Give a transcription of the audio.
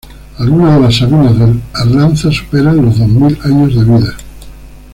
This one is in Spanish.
Algunas de las sabinas del Arlanza superan los dos mil años de vida.